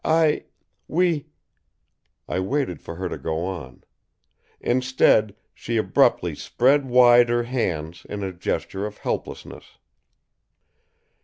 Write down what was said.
I we " I waited for her to go on. Instead, she abruptly spread wide her hands in a gesture of helplessness.